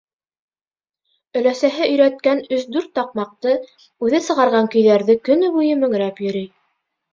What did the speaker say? Өләсәһе өйрәткән өс-дүрт таҡмаҡты, үҙе «сығарған» көйҙәрҙе көнө буйы мөңрәп йөрөй.